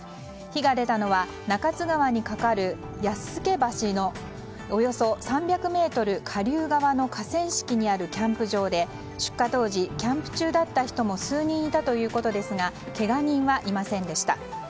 火が出たのは中津川にかかる八菅橋のおよそ３００ｍ下流側の河川敷にあるキャンプ場で出火当時、キャンプ中だった人も数人いたということですがけが人はいませんでした。